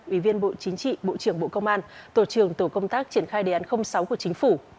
ủy viên bộ chính trị bộ trưởng bộ công an tổ trường tổ công tác triển khai đề án sáu của chính phủ